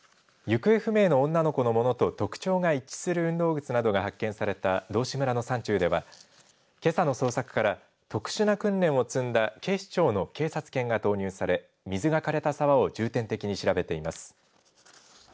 行方不明の女の子のものと特徴が一致する運動靴などが発見された道志村の山中ではけさの捜索から特殊な訓練を積んだ警視庁の警察犬が導入され水がかれた沢を重点的に調べています。